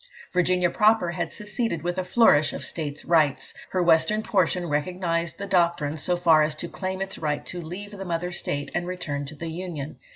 Virginia proper had seceded with a flourish of States Rights. Her Western portion recognised the doctrine so far as to claim its right to leave the mother state and return to the Union.